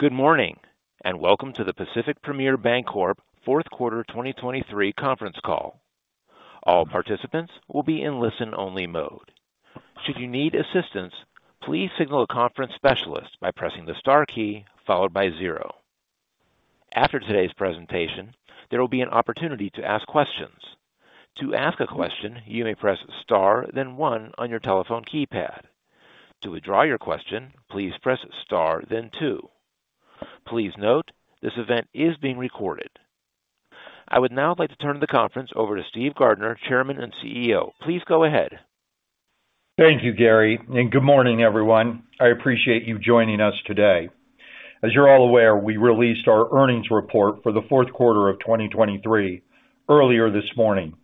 Good morning and welcome to the Pacific Premier Bancorp fourth quarter 2023 conference call. All participants will be in listen-only mode. Should you need assistance, please signal a conference specialist by pressing the star key followed by zero. After today's presentation, there will be an opportunity to ask questions. To ask a question, you may press star then one on your telephone keypad. To withdraw your question, please press star then two. Please note, this event is being recorded. I would now like to turn the conference over to Steve Gardner, Chairman and CEO. Please go ahead. Thank you, Gary, and good morning, everyone. I appreciate you joining us today. As you're all aware, we released our earnings report for the fourth quarter of 2023 earlier this morning.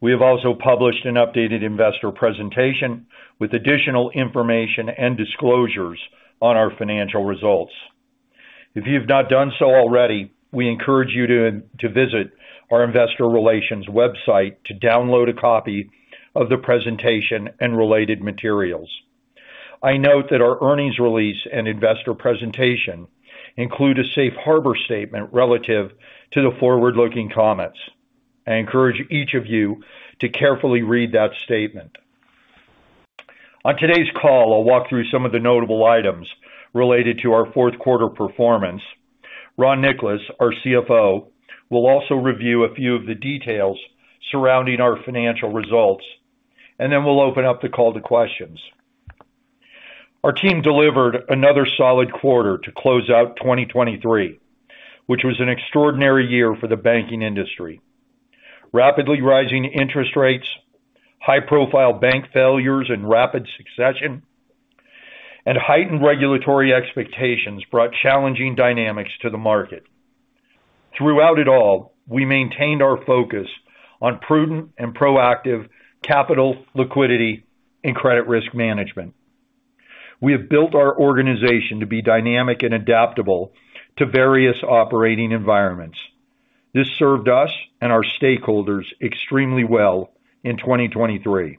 We have also published an updated investor presentation with additional information and disclosures on our financial results. If you have not done so already, we encourage you to visit our investor relations website to download a copy of the presentation and related materials. I note that our earnings release and investor presentation include a safe harbor statement relative to the forward-looking comments. I encourage each of you to carefully read that statement. On today's call, I'll walk through some of the notable items related to our fourth quarter performance. Ron Nicolas, our CFO, will also review a few of the details surrounding our financial results, and then we'll open up the call to questions. Our team delivered another solid quarter to close out 2023, which was an extraordinary year for the banking industry. Rapidly rising interest rates, high-profile bank failures and rapid succession, and heightened regulatory expectations brought challenging dynamics to the market. Throughout it all, we maintained our focus on prudent and proactive capital, liquidity, and credit risk management. We have built our organization to be dynamic and adaptable to various operating environments. This served us and our stakeholders extremely well in 2023.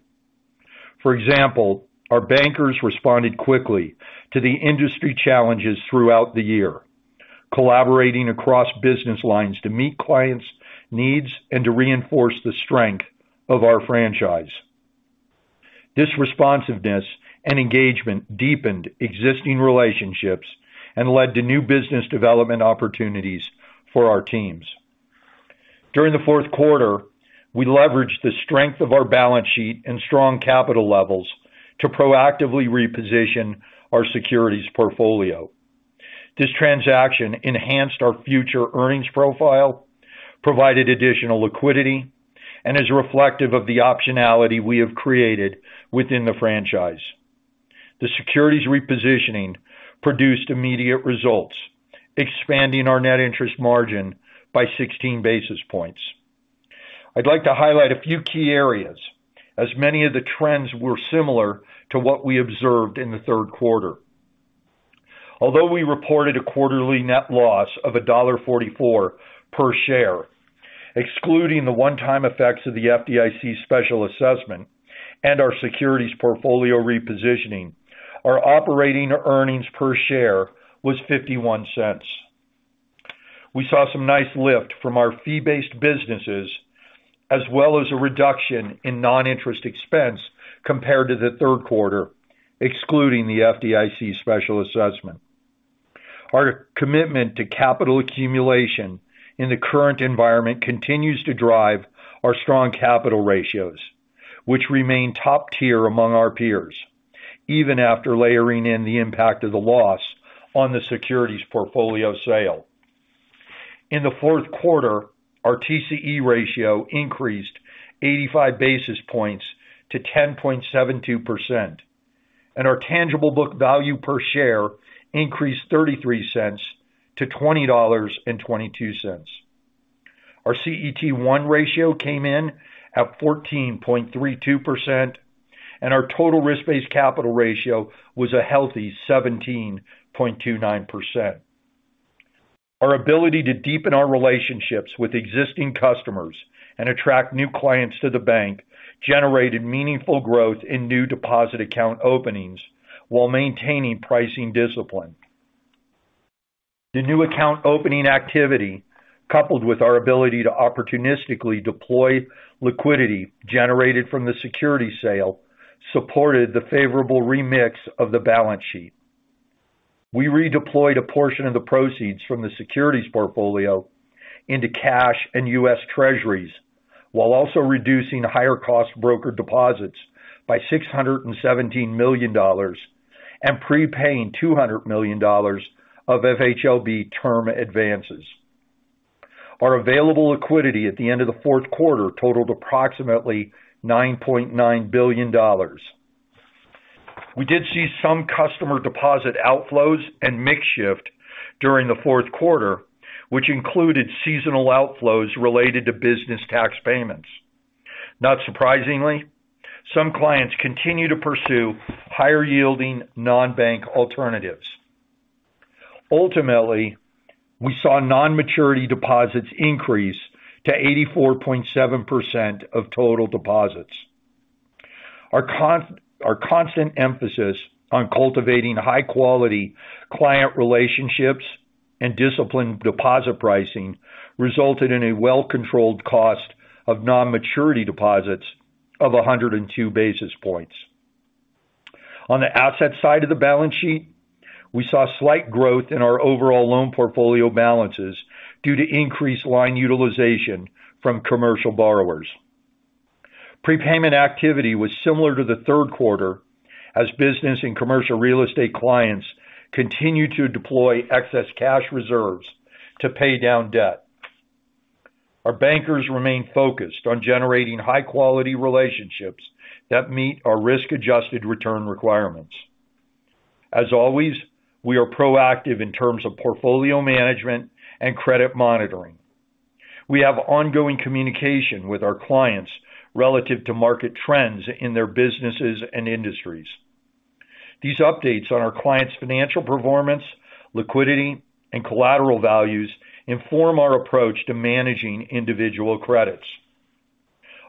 For example, our bankers responded quickly to the industry challenges throughout the year, collaborating across business lines to meet clients' needs and to reinforce the strength of our franchise. This responsiveness and engagement deepened existing relationships and led to new business development opportunities for our teams. During the fourth quarter, we leveraged the strength of our balance sheet and strong capital levels to proactively reposition our securities portfolio. This transaction enhanced our future earnings profile, provided additional liquidity, and is reflective of the optionality we have created within the franchise. The securities repositioning produced immediate results, expanding our net interest margin by 16 basis points. I'd like to highlight a few key areas as many of the trends were similar to what we observed in the third quarter. Although we reported a quarterly net loss of $1.44 per share, excluding the one-time effects of the FDIC special assessment and our securities portfolio repositioning, our operating earnings per share was $0.51. We saw some nice lift from our fee-based businesses as well as a reduction in non-interest expense compared to the third quarter, excluding the FDIC special assessment. Our commitment to capital accumulation in the current environment continues to drive our strong capital ratios, which remain top-tier among our peers, even after layering in the impact of the loss on the securities portfolio sale. In the fourth quarter, our TCE ratio increased 85 basis points to 10.72%, and our tangible book value per share increased $0.33 to $20.22. Our CET1 ratio came in at 14.32%, and our total risk-based capital ratio was a healthy 17.29%. Our ability to deepen our relationships with existing customers and attract new clients to the bank generated meaningful growth in new deposit account openings while maintaining pricing discipline. The new account opening activity, coupled with our ability to opportunistically deploy liquidity generated from the security sale, supported the favorable remix of the balance sheet. We redeployed a portion of the proceeds from the securities portfolio into cash and U.S. Treasuries while also reducing higher-cost broker deposits by $617 million and prepaying $200 million of FHLB term advances. Our available liquidity at the end of the fourth quarter totaled approximately $9.9 billion. We did see some customer deposit outflows and inflows during the fourth quarter, which included seasonal outflows related to business tax payments. Not surprisingly, some clients continue to pursue higher-yielding non-bank alternatives. Ultimately, we saw non-maturity deposits increase to 84.7% of total deposits. Our constant emphasis on cultivating high-quality client relationships and disciplined deposit pricing resulted in a well-controlled cost of non-maturity deposits of 102 basis points. On the asset side of the balance sheet, we saw slight growth in our overall loan portfolio balances due to increased line utilization from commercial borrowers. Prepayment activity was similar to the third quarter as business and commercial real estate clients continued to deploy excess cash reserves to pay down debt. Our bankers remain focused on generating high-quality relationships that meet our risk-adjusted return requirements. As always, we are proactive in terms of portfolio management and credit monitoring. We have ongoing communication with our clients relative to market trends in their businesses and industries. These updates on our clients' financial performance, liquidity, and collateral values inform our approach to managing individual credits.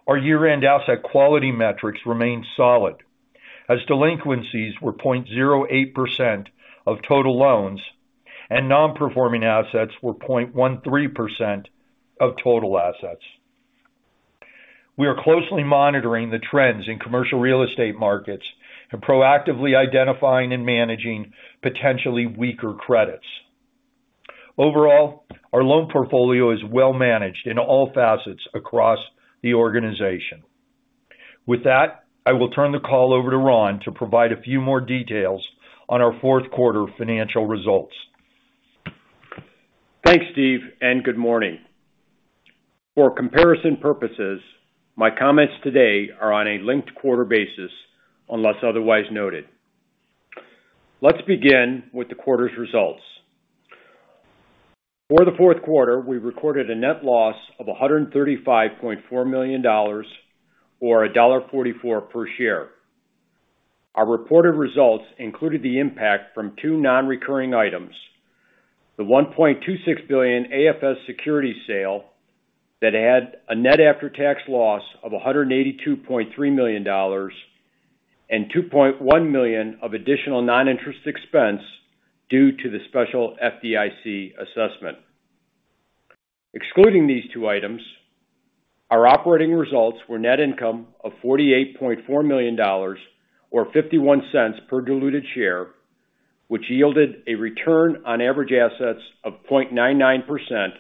Our year-end asset quality metrics remain solid as delinquencies were 0.08% of total loans and non-performing assets were 0.13% of total assets. We are closely monitoring the trends in commercial real estate markets and proactively identifying and managing potentially weaker credits. Overall, our loan portfolio is well-managed in all facets across the organization. With that, I will turn the call over to Ron to provide a few more details on our fourth quarter financial results. Thanks, Steve, and good morning. For comparison purposes, my comments today are on a linked quarter basis unless otherwise noted. Let's begin with the quarter's results. For the fourth quarter, we recorded a net loss of $135.4 million or $1.44 per share. Our reported results included the impact from two non-recurring items: the $1.26 billion AFS securities sale that had a net after-tax loss of $182.3 million and $2.1 million of additional non-interest expense due to the special FDIC assessment. Excluding these two items, our operating results were net income of $48.4 million or $0.51 per diluted share, which yielded a return on average assets of 0.99%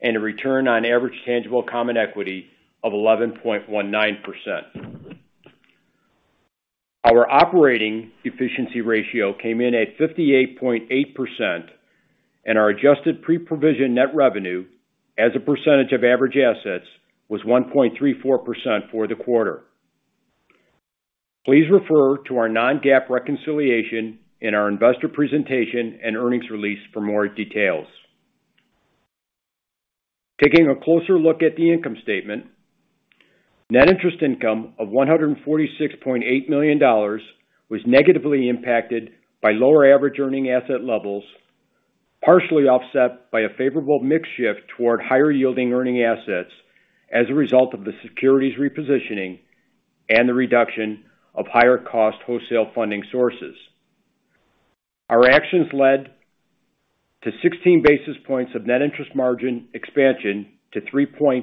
and a return on average tangible common equity of 11.19%. Our operating efficiency ratio came in at 58.8%, and our adjusted pre-provision net revenue, as a percentage of average assets, was 1.34% for the quarter. Please refer to our non-GAAP reconciliation in our investor presentation and earnings release for more details. Taking a closer look at the income statement, net interest income of $146.8 million was negatively impacted by lower average earning asset levels, partially offset by a favorable mix shift toward higher-yielding earning assets as a result of the securities repositioning and the reduction of higher-cost wholesale funding sources. Our actions led to 16 basis points of net interest margin expansion to 3.28%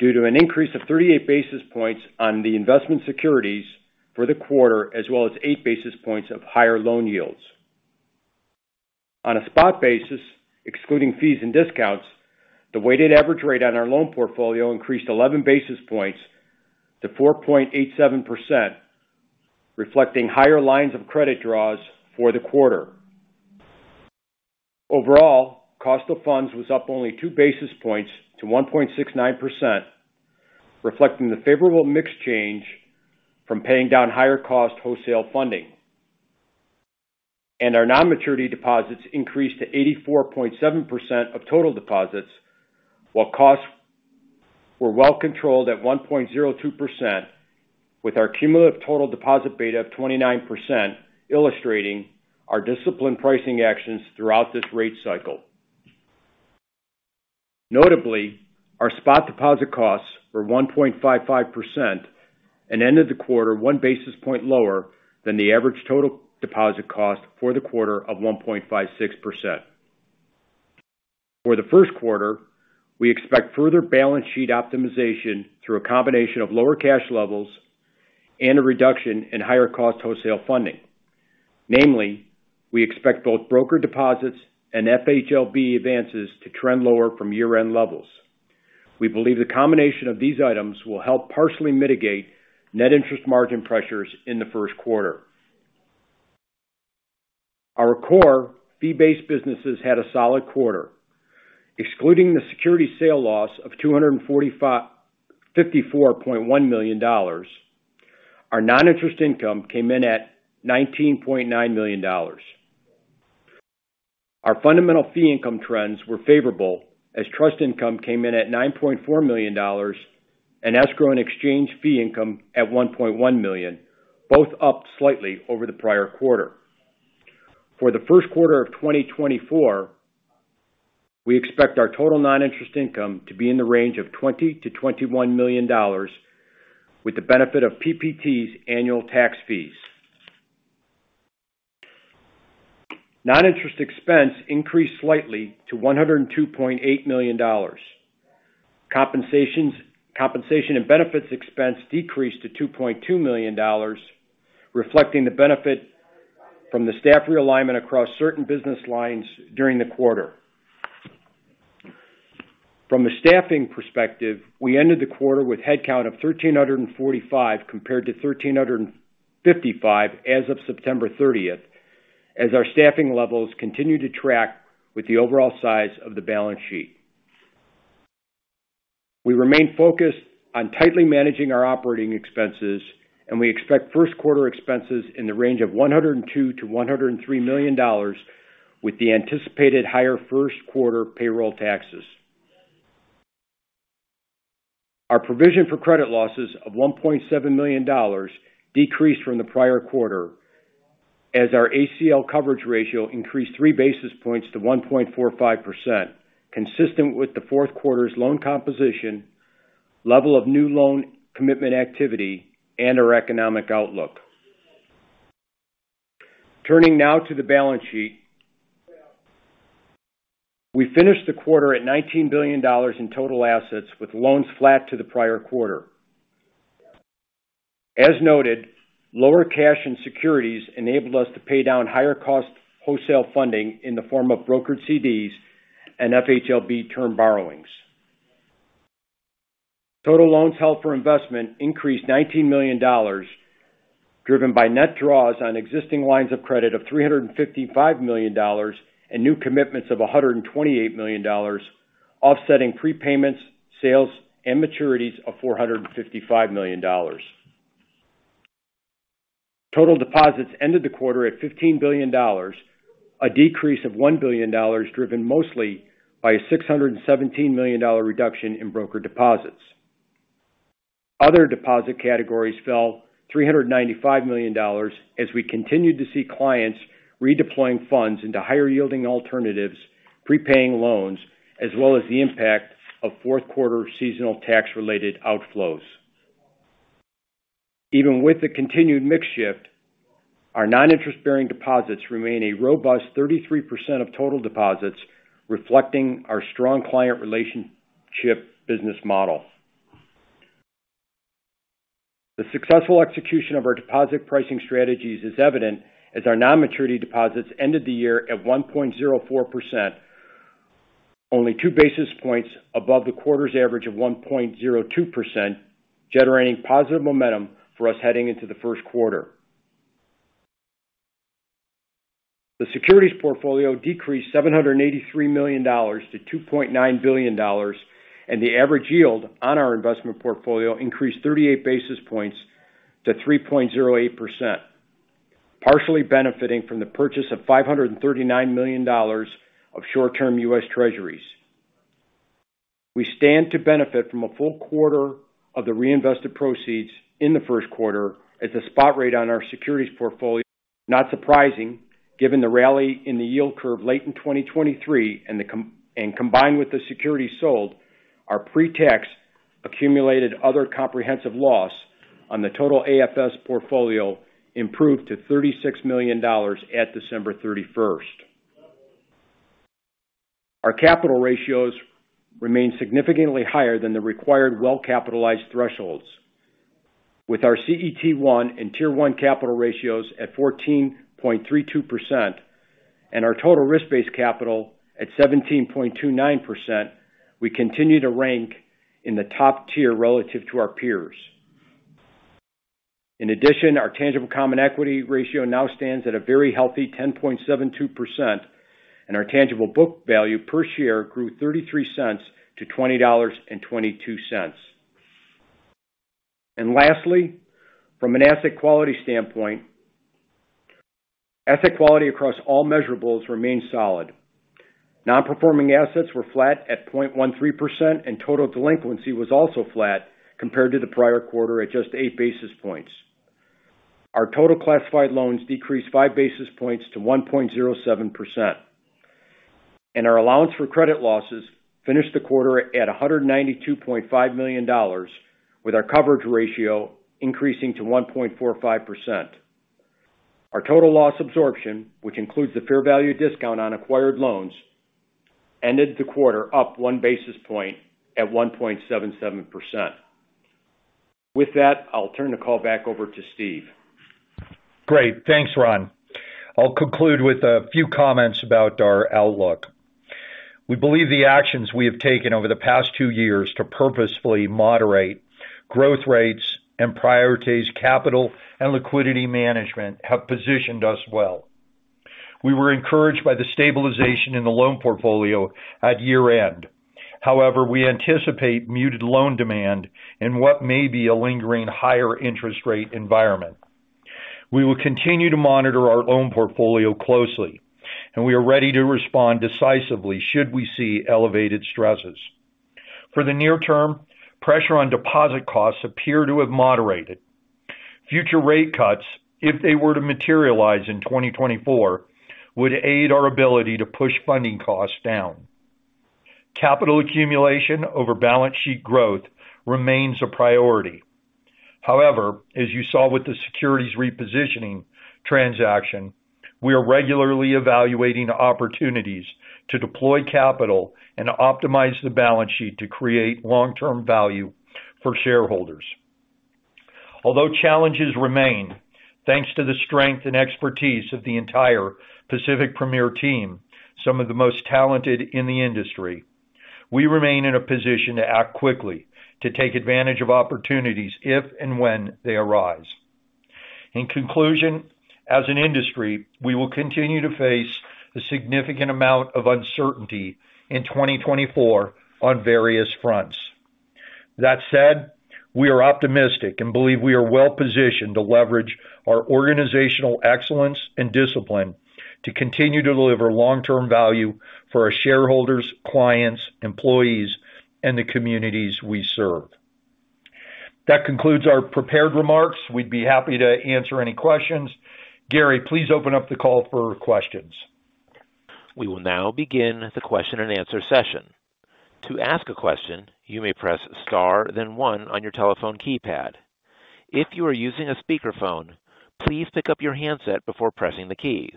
due to an increase of 38 basis points on the investment securities for the quarter as well as eight basis points of higher loan yields. On a spot basis, excluding fees and discounts, the weighted average rate on our loan portfolio increased 11 basis points to 4.87%, reflecting higher lines of credit draws for the quarter. Overall, cost of funds was up only 2 basis points to 1.69%, reflecting the favorable mix change from paying down higher-cost wholesale funding. Our non-maturity deposits increased to 84.7% of total deposits while costs were well-controlled at 1.02%, with our cumulative total deposit beta of 29% illustrating our disciplined pricing actions throughout this rate cycle. Notably, our spot deposit costs were 1.55% and ended the quarter 1 basis point lower than the average total deposit cost for the quarter of 1.56%. For the first quarter, we expect further balance sheet optimization through a combination of lower cash levels and a reduction in higher-cost wholesale funding. Namely, we expect both broker deposits and FHLB advances to trend lower from year-end levels. We believe the combination of these items will help partially mitigate net interest margin pressures in the first quarter. Our core fee-based businesses had a solid quarter. Excluding the securities sale loss of $244.1 million, our non-interest income came in at $19.9 million. Our fundamental fee income trends were favorable as trust income came in at $9.4 million and escrow and exchange fee income at $1.1 million, both up slightly over the prior quarter. For the first quarter of 2024, we expect our total non-interest income to be in the range of $20-$21 million, with the benefit of PPT's annual tax fees. Non-interest expense increased slightly to $102.8 million. Compensation and benefits expense decreased to $2.2 million, reflecting the benefit from the staff realignment across certain business lines during the quarter. From a staffing perspective, we ended the quarter with headcount of 1,345 compared to 1,355 as of September 30th, as our staffing levels continue to track with the overall size of the balance sheet. We remain focused on tightly managing our operating expenses, and we expect first quarter expenses in the range of $102-$103 million, with the anticipated higher first quarter payroll taxes. Our provision for credit losses of $1.7 million decreased from the prior quarter as our ACL coverage ratio increased 3 basis points to 1.45%, consistent with the fourth quarter's loan composition, level of new loan commitment activity, and our economic outlook. Turning now to the balance sheet, we finished the quarter at $19 billion in total assets, with loans flat to the prior quarter. As noted, lower cash and securities enabled us to pay down higher-cost wholesale funding in the form of brokered CDs and FHLB term borrowings. Total loans held for investment increased $19 million, driven by net draws on existing lines of credit of $355 million and new commitments of $128 million, offsetting prepayments, sales, and maturities of $455 million. Total deposits ended the quarter at $15 billion, a decrease of $1 billion driven mostly by a $617 million reduction in brokered deposits. Other deposit categories fell $395 million as we continued to see clients redeploying funds into higher-yielding alternatives, prepaying loans, as well as the impact of fourth quarter seasonal tax-related outflows. Even with the continued mix shift, our non-interest-bearing deposits remain a robust 33% of total deposits, reflecting our strong client relationship business model. The successful execution of our deposit pricing strategies is evident as our non-maturity deposits ended the year at 1.04%, only 2 basis points above the quarter's average of 1.02%, generating positive momentum for us heading into the first quarter. The securities portfolio decreased $783 million to $2.9 billion, and the average yield on our investment portfolio increased 38 basis points to 3.08%, partially benefiting from the purchase of $539 million of short-term U.S. Treasuries. We stand to benefit from a full quarter of the reinvested proceeds in the first quarter as the spot rate on our securities portfolio is not surprising, given the rally in the yield curve late in 2023 and combined with the securities sold. Our pre-tax accumulated other comprehensive loss on the total AFS portfolio improved to $36 million at December 31st. Our capital ratios remain significantly higher than the required well-capitalized thresholds. With our CET1 and Tier 1 Capital ratios at 14.32% and our total risk-based capital at 17.29%, we continue to rank in the top tier relative to our peers. In addition, our tangible common equity ratio now stands at a very healthy 10.72%, and our tangible book value per share grew $0.33 to $20.22. And lastly, from an asset quality standpoint, asset quality across all measurables remains solid. Non-performing assets were flat at 0.13%, and total delinquency was also flat compared to the prior quarter at just 8 basis points. Our total classified loans decreased 5 basis points to 1.07%. And our allowance for credit losses finished the quarter at $192.5 million, with our coverage ratio increasing to 1.45%. Our total loss absorption, which includes the fair value discount on acquired loans, ended the quarter up 1 basis point at 1.77%. With that, I'll turn the call back over to Steve. Great. Thanks, Ron. I'll conclude with a few comments about our outlook. We believe the actions we have taken over the past two years to purposefully moderate growth rates and prioritize capital and liquidity management have positioned us well. We were encouraged by the stabilization in the loan portfolio at year-end. However, we anticipate muted loan demand in what may be a lingering higher interest rate environment. We will continue to monitor our loan portfolio closely, and we are ready to respond decisively should we see elevated stresses. For the near term, pressure on deposit costs appears to have moderated. Future rate cuts, if they were to materialize in 2024, would aid our ability to push funding costs down. Capital accumulation over balance sheet growth remains a priority. However, as you saw with the securities repositioning transaction, we are regularly evaluating opportunities to deploy capital and optimize the balance sheet to create long-term value for shareholders. Although challenges remain, thanks to the strength and expertise of the entire Pacific Premier team, some of the most talented in the industry, we remain in a position to act quickly, to take advantage of opportunities if and when they arise. In conclusion, as an industry, we will continue to face a significant amount of uncertainty in 2024 on various fronts. That said, we are optimistic and believe we are well-positioned to leverage our organizational excellence and discipline to continue to deliver long-term value for our shareholders, clients, employees, and the communities we serve. That concludes our prepared remarks. We'd be happy to answer any questions. Gary, please open up the call for questions. We will now begin the question-and-answer session. To ask a question, you may press star then 1 on your telephone keypad. If you are using a speakerphone, please pick up your handset before pressing the keys.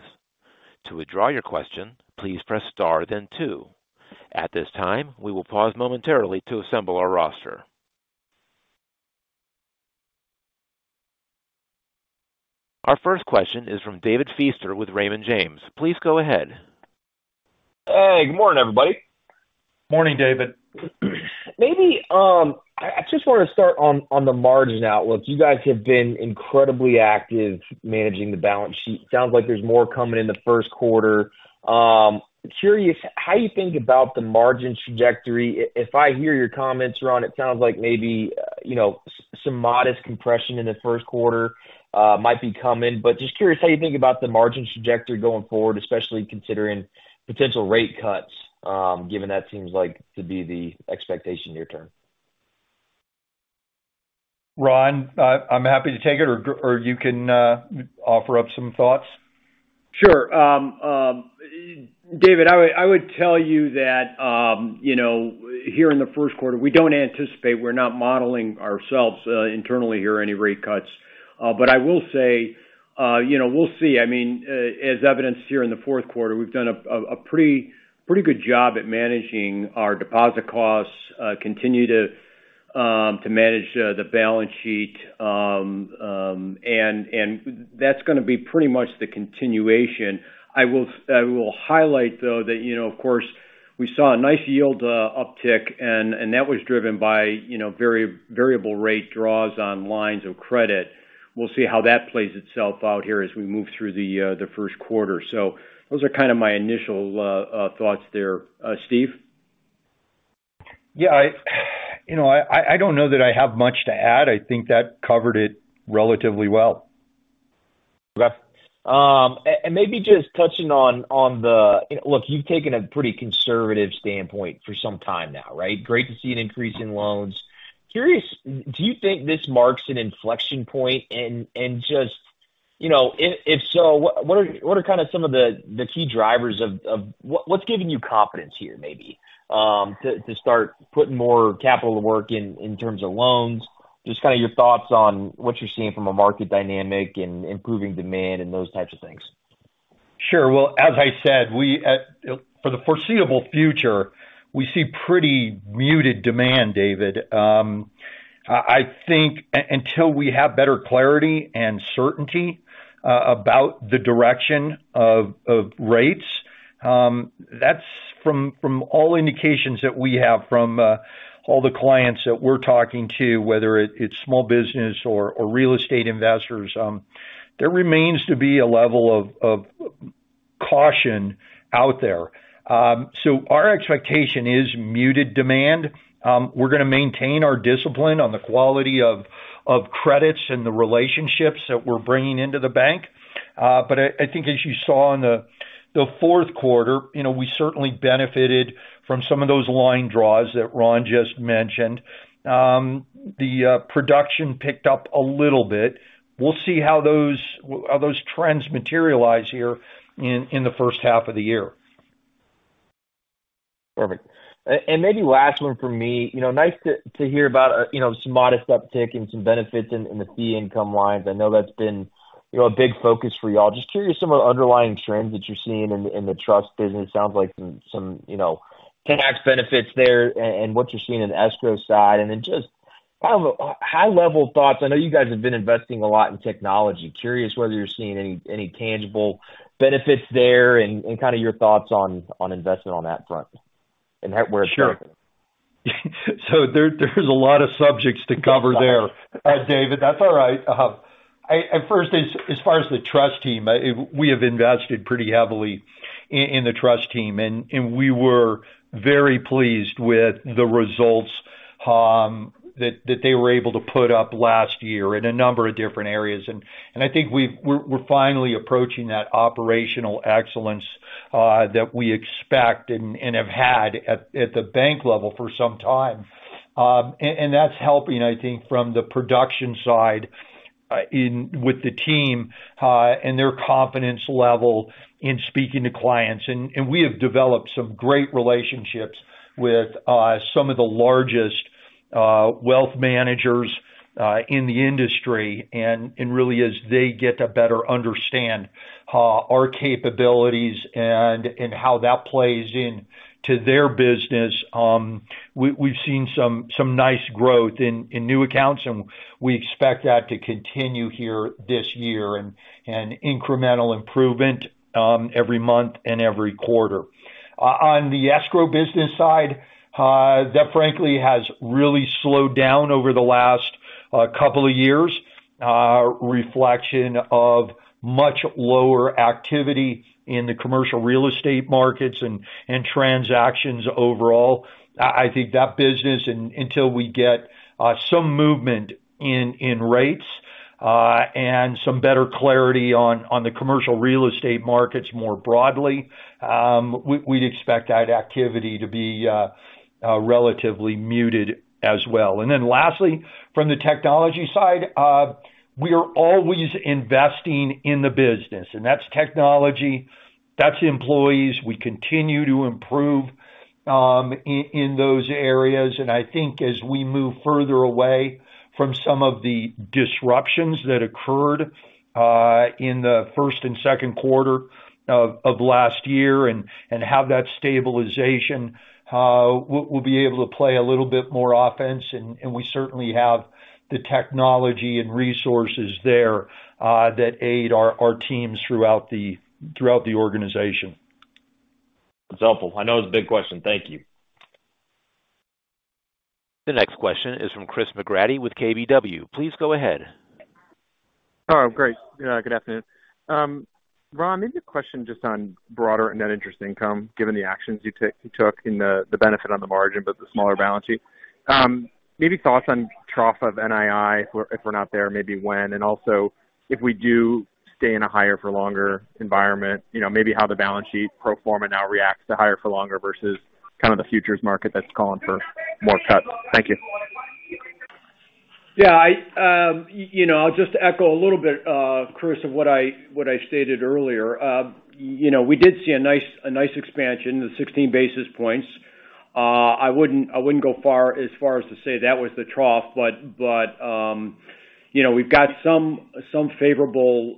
To withdraw your question, please press star then 2. At this time, we will pause momentarily to assemble our roster. Our first question is from David Feaster with Raymond James. Please go ahead. Hey. Good morning, everybody. Morning, David. Maybe I just want to start on the margin outlook. You guys have been incredibly active managing the balance sheet. Sounds like there's more coming in the first quarter. Curious how you think about the margin trajectory. If I hear your comments, Ron, it sounds like maybe, you know, some modest compression in the first quarter might be coming. But just curious how you think about the margin trajectory going forward, especially considering potential rate cuts, given that seems like to be the expectation near term. Ron, I'm happy to take it, or you can offer up some thoughts. Sure. David, I would tell you that, you know, here in the first quarter, we don't anticipate; we're not modeling ourselves internally here any rate cuts. But I will say, you know, we'll see. I mean, as evidenced here in the fourth quarter, we've done a pretty good job at managing our deposit costs, continue to manage the balance sheet, and that's going to be pretty much the continuation. I will highlight, though, that, you know, of course, we saw a nice yield uptick, and that was driven by, you know, very variable rate draws on lines of credit. We'll see how that plays itself out here as we move through the first quarter. So those are kind of my initial thoughts there. Steve? Yeah. You know, I don't know that I have much to add. I think that covered it relatively well. Okay. And maybe just touching on the, you know, look, you've taken a pretty conservative standpoint for some time now, right? Great to see an increase in loans. Curious, do you think this marks an inflection point in just you know, if so, what are kind of some of the key drivers of what's giving you confidence here, maybe, to start putting more capital to work in terms of loans? Just kind of your thoughts on what you're seeing from a market dynamic and improving demand and those types of things. Sure. Well, as I said, we at for the foreseeable future, we see pretty muted demand, David. I think until we have better clarity and certainty about the direction of rates, that's from all indications that we have from all the clients that we're talking to, whether it's small business or real estate investors, there remains a level of caution out there. So our expectation is muted demand. We're going to maintain our discipline on the quality of credits and the relationships that we're bringing into the bank. But I think as you saw in the fourth quarter, you know, we certainly benefited from some of those line draws that Ron just mentioned. Production picked up a little bit. We'll see how those trends materialize here in the first half of the year. Perfect. And maybe last one from me. You know, nice to hear about, you know, some modest uptick and some benefits in the fee income lines. I know that's been, you know, a big focus for y'all. Just curious some of the underlying trends that you're seeing in the trust business. Sounds like some, you know, tax benefits there and what you're seeing in the escrow side. And then just kind of high-level thoughts. I know you guys have been investing a lot in technology. Curious whether you're seeing any tangible benefits there and kind of your thoughts on investment on that front and where it's happening. Sure. So there's a lot of subjects to cover there. David, that's all right. I first, as far as the trust team, we have invested pretty heavily in the trust team, and we were very pleased with the results that they were able to put up last year in a number of different areas. And I think we're finally approaching that operational excellence that we expect and have had at the bank level for some time. And that's helping, I think, from the production side in with the team, and their confidence level in speaking to clients. And we have developed some great relationships with some of the largest wealth managers in the industry. And really, as they get to better understand our capabilities and how that plays into their business, we've seen some nice growth in new accounts, and we expect that to continue here this year and incremental improvement every month and every quarter. On the escrow business side, that frankly has really slowed down over the last couple of years, reflection of much lower activity in the commercial real estate markets and transactions overall. I think that business and until we get some movement in rates, and some better clarity on the commercial real estate markets more broadly, we'd expect that activity to be relatively muted as well. And then lastly, from the technology side, we are always investing in the business, and that's technology, that's employees. We continue to improve in those areas.I think as we move further away from some of the disruptions that occurred in the first and second quarter of last year and have that stabilization, we'll be able to play a little bit more offense. And we certainly have the technology and resources there that aid our teams throughout the organization. That's helpful. I know it's a big question. Thank you. The next question is from Chris McGratty with KBW. Please go ahead. Oh, great. Good afternoon. Ron, maybe a question just on broader and net interest income, given the actions you took in the benefit on the margin but the smaller balance sheet. Maybe thoughts on trough of NII if we're not there, maybe when, and also if we do stay in a higher-for-longer environment, you know, maybe how the balance sheet pro forma now reacts to higher-for-longer versus kind of the futures market that's calling for more cuts. Thank you. Yeah. I, you know, I'll just echo a little bit, Chris, of what I stated earlier. You know, we did see a nice expansion, the 16 basis points. I wouldn't go as far as to say that was the trough, but you know, we've got some favorable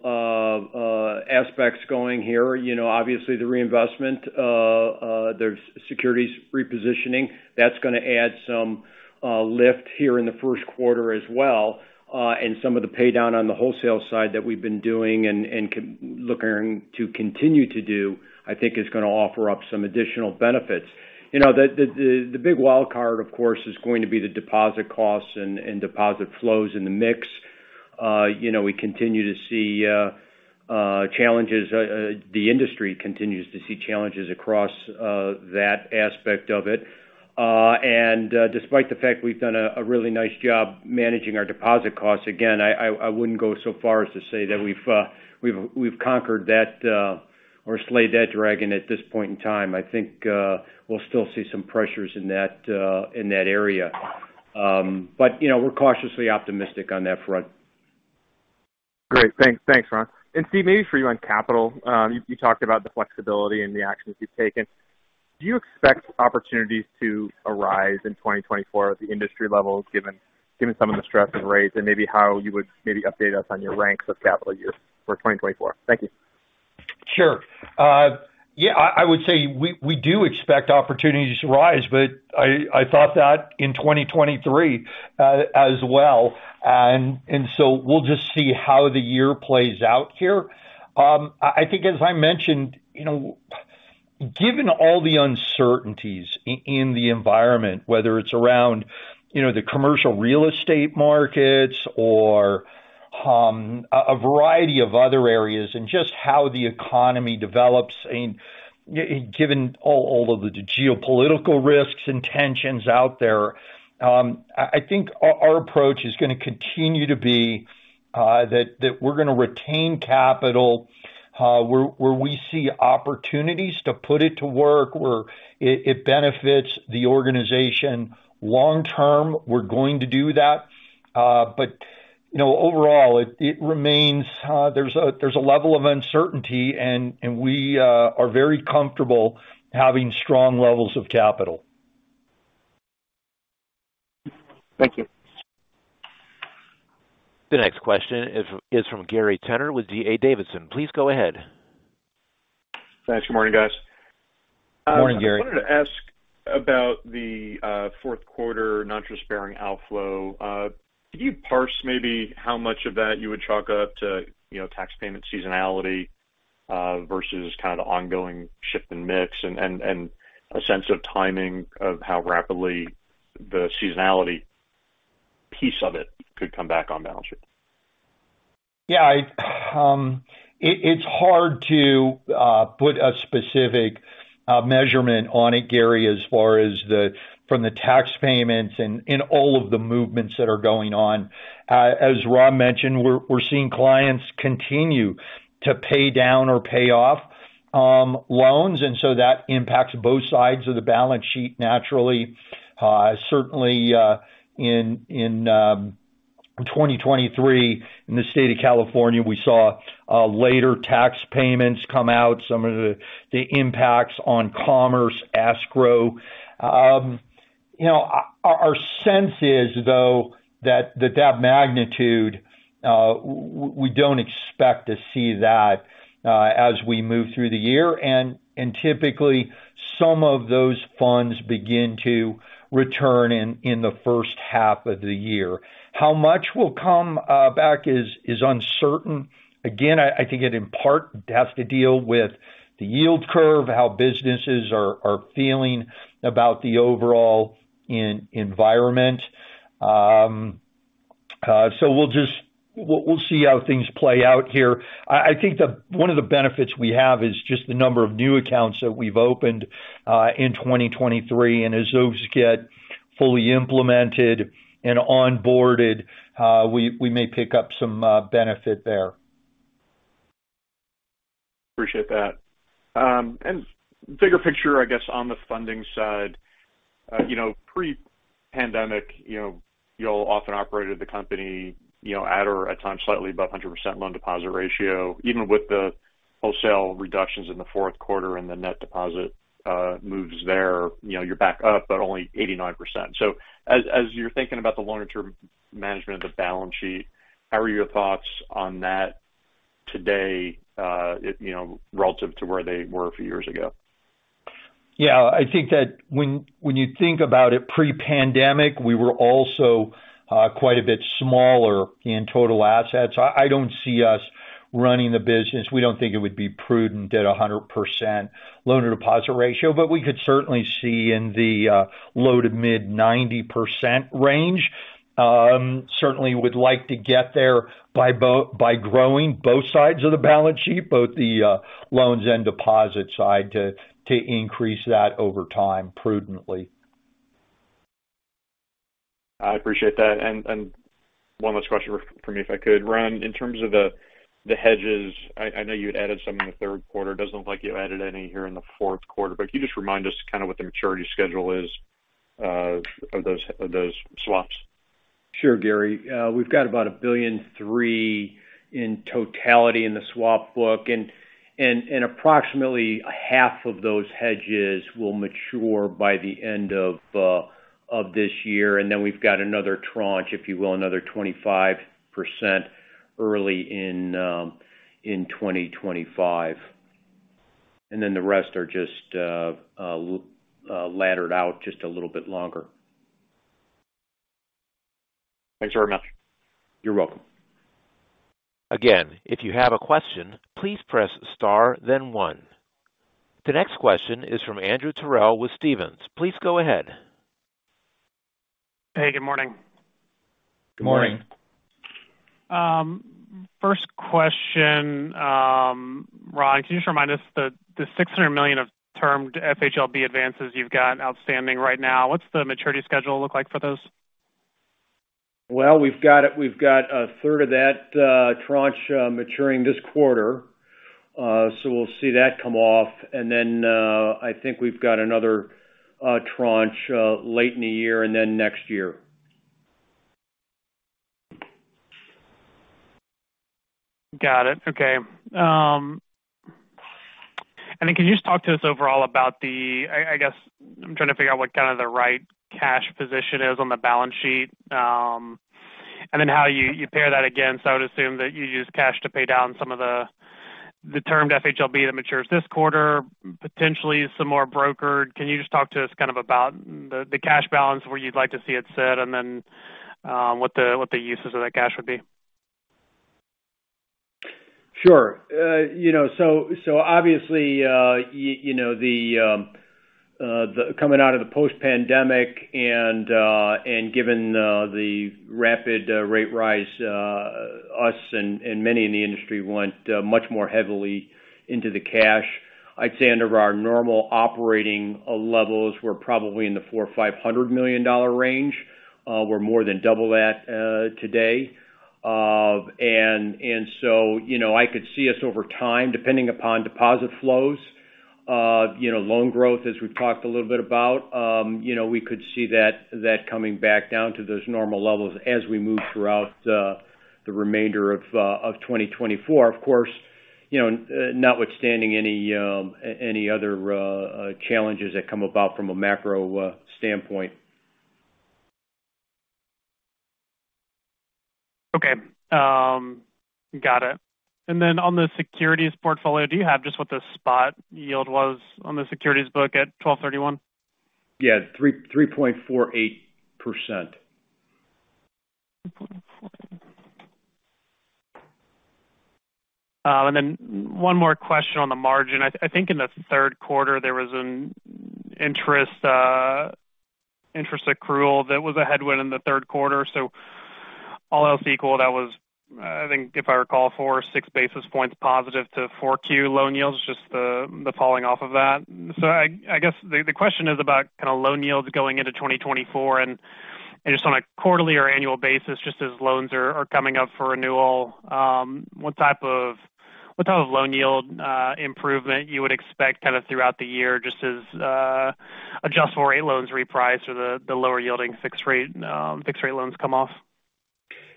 aspects going here. You know, obviously, the reinvestment, the securities repositioning, that's going to add some lift here in the first quarter as well. And some of the paydown on the wholesale side that we've been doing and looking to continue to do, I think, is going to offer up some additional benefits. You know, the big wildcard, of course, is going to be the deposit costs and deposit flows in the mix You know, we continue to see challenges the industry continues to see challenges across that aspect of it. And despite the fact we've done a really nice job managing our deposit costs, again, I wouldn't go so far as to say that we've conquered that or slayed that dragon at this point in time. I think we'll still see some pressures in that area. But you know, we're cautiously optimistic on that front. Great. Thanks. Thanks, Ron. And Steve, maybe for you on capital. You talked about the flexibility and the actions you've taken. Do you expect opportunities to arise in 2024 at the industry level, given some of the stress of rates, and maybe how you would update us on your ranks of capital use for 2024? Thank you. Sure. Yeah. I, I would say we, we do expect opportunities to rise, but I, I thought that in 2023, as well. And, and so we'll just see how the year plays out here. I, I think, as I mentioned, you know, given all the uncertainties in the environment, whether it's around, you know, the commercial real estate markets or a variety of other areas and just how the economy develops and, you know, given all, all of the geopolitical risks and tensions out there, I, I think our, our approach is going to continue to be that, that we're going to retain capital, where, where we see opportunities to put it to work, where it, it benefits the organization long term. We're going to do that. But, you know, overall, it remains. There's a level of uncertainty, and we are very comfortable having strong levels of capital. Thank you. The next question is from Gary Tenner with DA Davidson. Please go ahead. Thanks. Good morning, guys. Morning, Gary. I wanted to ask about the fourth quarter non-maturity deposit outflow. Could you parse maybe how much of that you would chalk up to, you know, tax payment seasonality, versus kind of the ongoing shift in mix and a sense of timing of how rapidly the seasonality piece of it could come back on balance sheet? Yeah. It's hard to put a specific measurement on it, Gary, as far as from the tax payments and all of the movements that are going on. As Ron mentioned, we're seeing clients continue to pay down or pay off loans, and so that impacts both sides of the balance sheet naturally. Certainly, in 2023, in the state of California, we saw later tax payments come out, some of the impacts on Commerce Escrow. You know, our sense is, though, that that magnitude, we don't expect to see that as we move through the year. And typically, some of those funds begin to return in the first half of the year. How much will come back is uncertain. Again, I think it in part has to deal with the yield curve, how businesses are feeling about the overall economic environment. So we'll just see how things play out here. I think one of the benefits we have is just the number of new accounts that we've opened in 2023. And as those get fully implemented and onboarded, we may pick up some benefit there. Appreciate that. Bigger picture, I guess, on the funding side, you know, pre-pandemic, you know, y'all often operated the company, you know, at or at times slightly above 100% loan deposit ratio. Even with the wholesale reductions in the fourth quarter and the net deposit moves there, you know, you're back up, but only 89%. So as you're thinking about the longer-term management of the balance sheet, how are your thoughts on that today? I you know, relative to where they were a few years ago? Yeah. I think that when you think about it pre-pandemic, we were also quite a bit smaller in total assets. I don't see us running the business. We don't think it would be prudent at 100% loan-to-deposit ratio, but we could certainly see in the low-to-mid 90% range. Certainly would like to get there by growing both sides of the balance sheet, both the loans and deposit side, to increase that over time prudently. I appreciate that. And one last question for me if I could. Ron, in terms of the hedges, I know you had added some in the third quarter. Doesn't look like you added any here in the fourth quarter. But could you just remind us kind of what the maturity schedule is, of those swaps? Sure, Gary. We've got about $1.3 billion in totality in the swap book. And approximately half of those hedges will mature by the end of this year. And then we've got another tranche, if you will, another 25% early in 2025. And then the rest are just laddered out just a little bit longer. Thanks very much. You're welcome. Again, if you have a question, please press star, then one. The next question is from Andrew Terrell with Stephens. Please go ahead. Hey. Good morning. Good morning. Morning. First question, Ron, can you just remind us the $600 million of termed FHLB advances you've got outstanding right now? What's the maturity schedule look like for those? Well, we've got a third of that tranche maturing this quarter. We'll see that come off. Then, I think we've got another tranche late in the year and then next year. Got it. Okay. And then can you just talk to us overall about the, I guess I'm trying to figure out what kind of the right cash position is on the balance sheet, and then how you pair that again. So I would assume that you use cash to pay down some of the termed FHLB that matures this quarter, potentially some more brokered. Can you just talk to us kind of about the cash balance where you'd like to see it set, and then what the uses of that cash would be? Sure. You know, so obviously, you know, the coming out of the post-pandemic and given the rapid rate rise, us and many in the industry went much more heavily into the cash. I'd say under our normal operating levels, we're probably in the $400 million-$500 million range. We're more than double that today. And so, you know, I could see us over time, depending upon deposit flows, you know, loan growth, as we've talked a little bit about, you know, we could see that coming back down to those normal levels as we move throughout the remainder of 2024. Of course, you know, notwithstanding any other challenges that come about from a macro standpoint. Okay. Got it. And then on the securities portfolio, do you have just what the spot yield was on the securities book at 12/31? Yeah. 3, 3.48%. And then one more question on the margin. I think in the third quarter, there was an interest accrual that was a headwind in the third quarter. So all else equal, that was, I think, if I recall, four or 6 basis points positive to 4Q loan yields, just the falling off of that. So I guess the question is about kind of loan yields going into 2024. And just on a quarterly or annual basis, just as loans are coming up for renewal, what type of loan yield improvement you would expect kind of throughout the year just as adjustable rate loans reprice or the lower-yielding fixed-rate loans come off?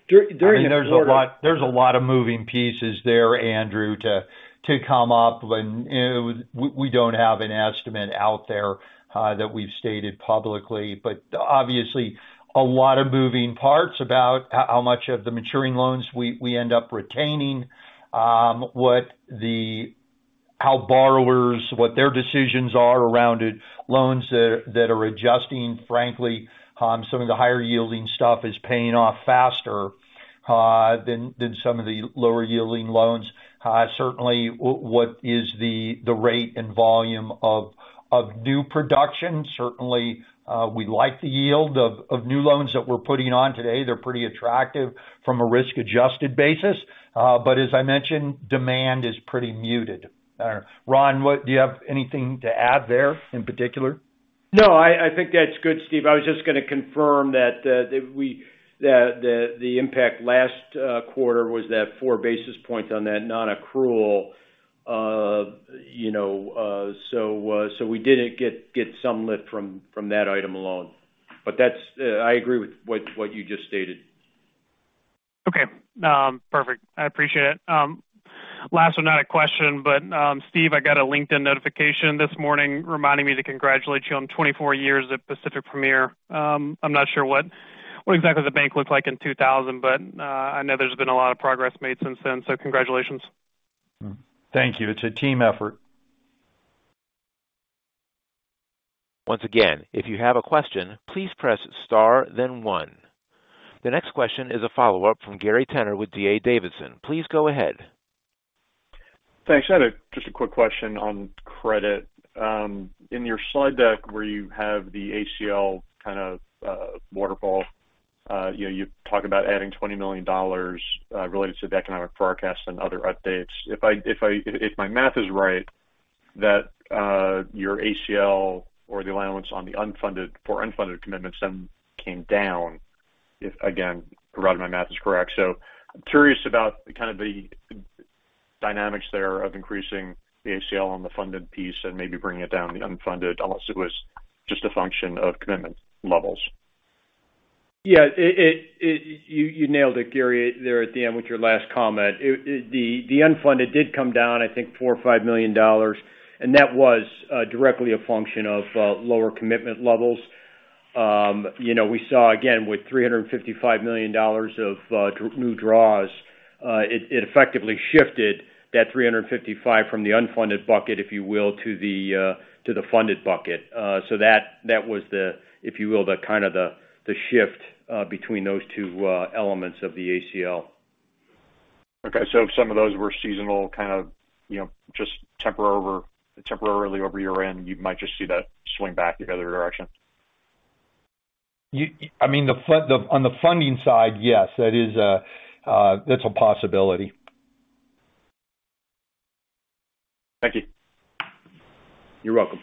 During the year. I mean, there's a lot of moving pieces there, Andrew, to come up. And, you know, we don't have an estimate out there that we've stated publicly. But obviously, a lot of moving parts about how much of the maturing loans we end up retaining, what borrowers' decisions are around it. Loans that are adjusting, frankly, some of the higher-yielding stuff is paying off faster than some of the lower-yielding loans. Certainly, what is the rate and volume of new production? Certainly, we like the yield of new loans that we're putting on today. They're pretty attractive from a risk-adjusted basis. But as I mentioned, demand is pretty muted. I don't know. Ron, do you have anything to add there in particular? No. I think that's good, Steve. I was just going to confirm that the impact last quarter was 4 basis points on that non-accrual, you know, so we didn't get some lift from that item alone. But that's. I agree with what you just stated. Okay. Perfect. I appreciate it. Last but not a question, but, Steve, I got a LinkedIn notification this morning reminding me to congratulate you on 24 years at Pacific Premier. I'm not sure what, what exactly the bank looked like in 2000, but, I know there's been a lot of progress made since then. So congratulations. Thank you. It's a team effort. Once again, if you have a question, please press star, then one. The next question is a follow-up from Gary Tenner with DA Davidson. Please go ahead. Thanks. I had a just a quick question on credit. In your slide deck where you have the ACL kind of waterfall, you know, you talk about adding $20 million related to the economic forecast and other updates. If I if I if my math is right, that your ACL or the allowance on the unfunded for unfunded commitments then came down if, again, provided my math is correct. So I'm curious about kind of the dynamics there of increasing the ACL on the funded piece and maybe bringing it down the unfunded unless it was just a function of commitment levels. Yeah. You nailed it, Gary, there at the end with your last comment. The unfunded did come down, I think, $4-$5 million. And that was directly a function of lower commitment levels. You know, we saw, again, with $355 million of our new draws. It effectively shifted that 355 from the unfunded bucket, if you will, to the funded bucket. So that was, if you will, the kind of shift between those two elements of the ACL. Okay. So if some of those were seasonal kind of, you know, just temporarily over year-end, you might just see that swing back the other direction? Yeah, I mean, the funding on the funding side, yes. That is—that's a possibility. Thank you. You're welcome.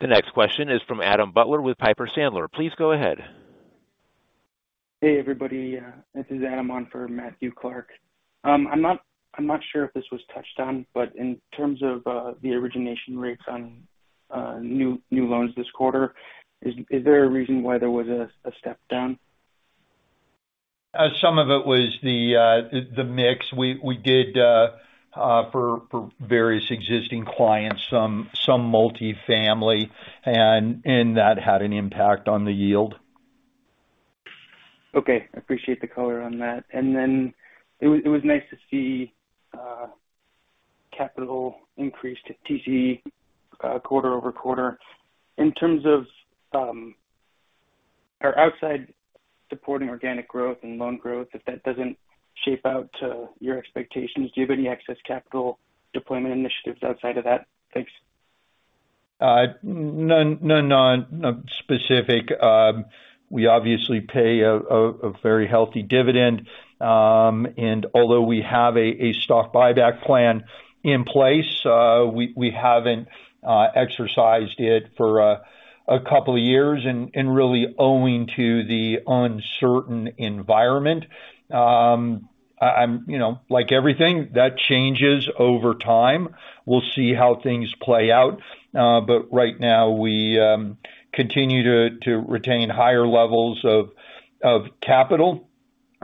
The next question is from Adam Butler with Piper Sandler. Please go ahead. Hey, everybody. This is Adam on for Matthew Clark. I'm not sure if this was touched on, but in terms of the origination rates on new loans this quarter, is there a reason why there was a step down? Some of it was the mix. We did, for various existing clients, some multifamily. And that had an impact on the yield. Okay. Appreciate the color on that. And then it was nice to see capital increase to TCE quarter-over-quarter. In terms of, or outside supporting organic growth and loan growth, if that doesn't shape out to your expectations, do you have any excess capital deployment initiatives outside of that? Thanks. None specific. We obviously pay a very healthy dividend. And although we have a stock buyback plan in place, we haven't exercised it for a couple of years and really owing to the uncertain environment. I'm you know, like everything, that changes over time. We'll see how things play out. But right now, we continue to retain higher levels of capital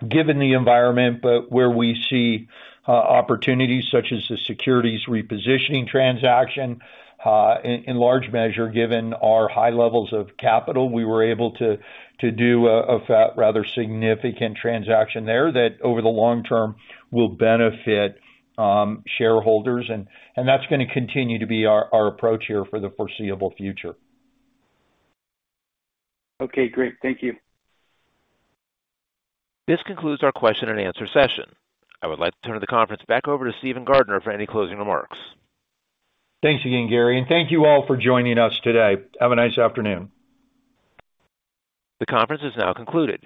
given the environment, but where we see opportunities such as the securities repositioning transaction, in large measure, given our high levels of capital, we were able to do a fairly significant transaction there that over the long term will benefit shareholders. And that's going to continue to be our approach here for the foreseeable future. Okay. Great. Thank you. This concludes our question and answer session. I would like to turn the conference back over to Steven Gardner for any closing remarks. Thanks again, Gary. Thank you all for joining us today. Have a nice afternoon. The conference is now concluded.